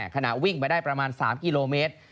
ขณะวิ่งไปได้ประมาณ๓กิโลเมตร